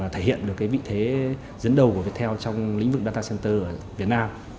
thể hiện được vị thế dẫn đầu của viettel trong lĩnh vực data center ở việt nam